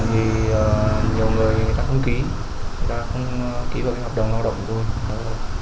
thì nhiều người đã không ký người ta không ký vào hợp đồng lao động của tôi